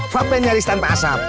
vapen nyaris tanpa asap